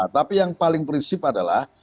tapi yang paling prinsip adalah